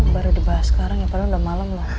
baru dibahas sekarang ya padahal udah malem loh